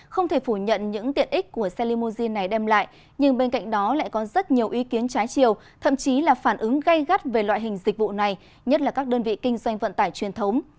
không thể phủ nhận những tiện ích của xe limousine này đem lại nhưng bên cạnh đó lại có rất nhiều ý kiến trái chiều thậm chí là phản ứng gây gắt về loại hình dịch vụ này nhất là các đơn vị kinh doanh vận tải truyền thống